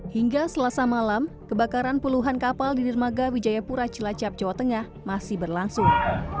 hingga selasa malam kebakaran puluhan kapal di dermaga wijayapura cilacap jawa tengah masih berlangsung